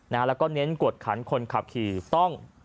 แล้วก็เน้นกวดขันคนขับขี่ต้อง